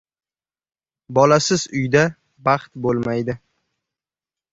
• Bolasiz uyda baxt bo‘lmaydi.